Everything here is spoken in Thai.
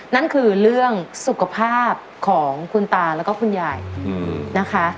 นั่นคือเรื่องสุขภาพของคุณตาแล้วก็คุณยายนะคะ